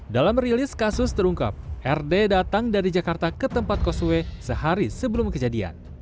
dalam rilis kasus terungkap rd datang dari jakarta ke tempat kosway sehari sebelum kejadian